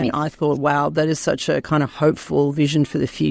saya berpikir wow itu adalah visi yang sangat berharap untuk masa depan